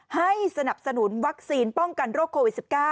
สนับสนุนวัคซีนป้องกันโรคโควิด๑๙